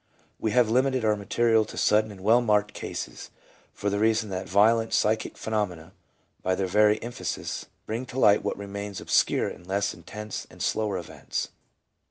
We have limited our material to sudden and well marked cases, for the reason that violent psychic phenomena, by their very emphasis, bring to light what remains obscure in less intense and slower events.